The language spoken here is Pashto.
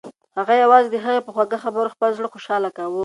هغه یوازې د هغې په خوږو خبرو خپل زړه خوشحاله کاوه.